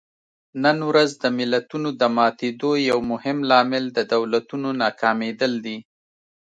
نن ورځ د ملتونو د ماتېدو یو مهم لامل د دولتونو ناکامېدل دي.